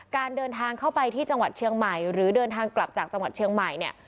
การเดินทางเข้าไปที่จังหวัดเชียงใหม่หรือเดินทางกลับจากจังหวัดเชียงใหม่เนี่ย